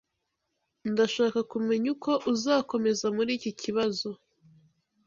[S] Ndashaka kumenya uko uzakomeza muri iki kibazo.